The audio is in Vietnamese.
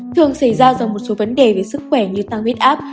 thường xảy ra do một số vấn đề về sức khỏe như tăng huyết áp